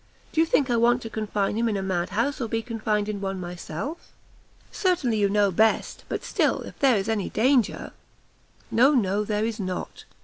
do you think I want to confine him in a mad house, or be confined in one myself?" "Certainly you know best but still if there is any danger " "No, no, there is not!